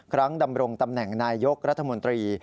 ครั้งดำรงตำแหน่งนายยกรัฐมนตรี